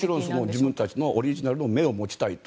自分たちのオリジナルの目を持ちたいと。